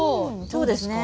そうですね。